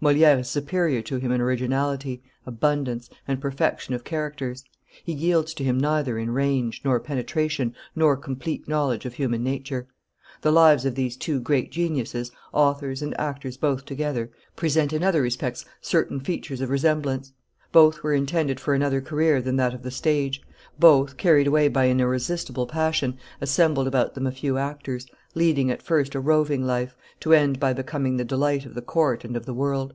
Moliere is superior to him in originality, abundance, and perfection of characters; he yields to him neither in range, nor penetration, nor complete knowledge of human nature. The lives of these two great geniuses, authors and actors both together, present in other respects certain features of resemblance. Both were intended for another career than that of the stage; both, carried away by an irresistible passion, assembled about them a few actors, leading at first a roving life, to end by becoming the delight of the court and of the world.